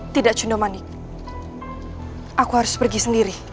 tidak cundomanik aku harus pergi sendiri